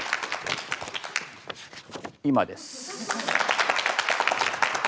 今です。